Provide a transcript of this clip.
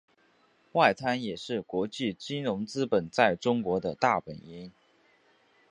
外滩也是国际金融资本在中国的大本营。